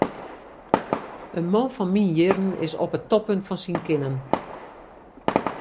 In man fan myn jierren is op it toppunt fan syn kinnen.